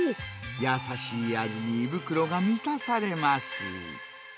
優しい味に胃袋が満たされます。